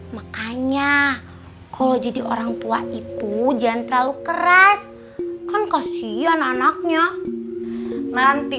makanya kalau jadi orang tua itu jangan terlalu keras kan kosi anak anaknya nanti